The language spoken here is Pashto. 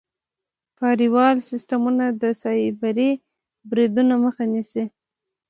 فایروال سیسټمونه د سایبري بریدونو مخه نیسي.